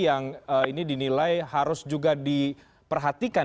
yang ini dinilai harus juga diperhatikan